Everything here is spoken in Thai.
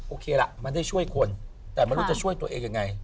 โอเคล่ะมันได้ช่วยคนแต่ไม่รู้จะช่วยตัวเองยังไง